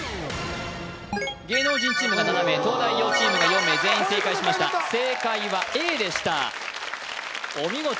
芸能人チームが７名東大王チームが４名全員正解しました正解はＡでしたお見事